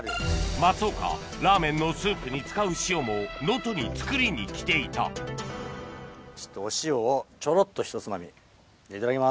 松岡ラーメンのスープに使う塩も能登に作りに来ていたお塩をちょろっとひとつまみいただきます。